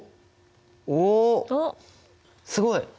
すごい！